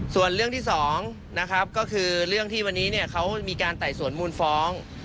ส่วนเรื่องที่๒นะครับก็คือเรื่องที่วันนี้เขามีการไต่สวนมูลฟ้อง